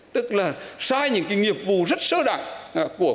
tức là sai những cái nghiệp vụ rất sơ đẳng của quản lý